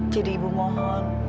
jadi ibu mohon